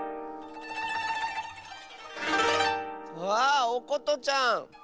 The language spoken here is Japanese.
あおことちゃん！